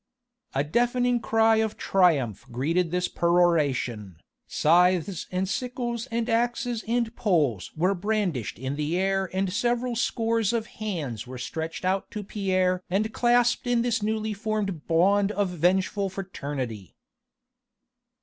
A deafening cry of triumph greeted this peroration, scythes and sickles and axes and poles were brandished in the air and several scores of hands were stretched out to Pierre and clasped in this newly formed bond of vengeful fraternity.